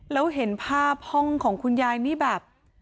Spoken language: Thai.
แล้วเห็นภาพห้องของคุณยายนี่แบบ